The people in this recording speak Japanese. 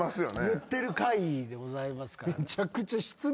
言ってる回でございますから。